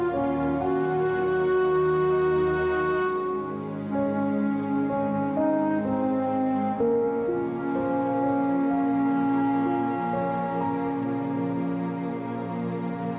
kalau kita ada apabila beberapa gigi thebabis